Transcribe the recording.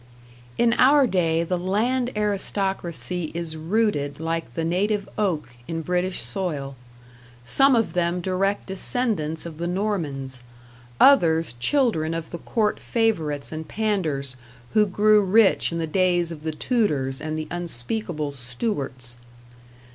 In our day the land aristocracy is rooted like the native oak in British soil: some of them direct descendants of the Normans, others children of the court favorites and panders who grew rich in the days of the Tudors and the unspeakable Stuarts.